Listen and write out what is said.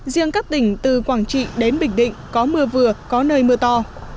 riêng các tỉnh từ quảng trị đến bình định có mưa vừa có nơi mưa to